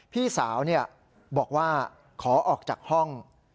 พี่สาวบอกว่าขอออกจากห้อง